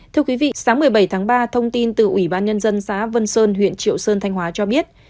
thưa quý vị sáng một mươi bảy tháng ba thông tin từ ủy ban nhân dân xã vân sơn huyện triệu sơn thanh hóa cho biết